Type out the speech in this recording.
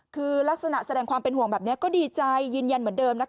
คือลักษณะแสดงความเป็นห่วงแบบนี้ก็ดีใจยืนยันเหมือนเดิม